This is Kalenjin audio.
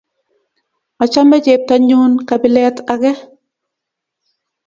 Achgame cheptanyun kabilet ake